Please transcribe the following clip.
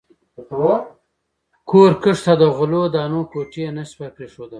کور، کښت او د غلو دانو کوټې یې نه شوای پرېښودلای.